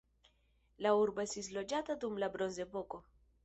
La urbo estis loĝata dum la bronzepoko.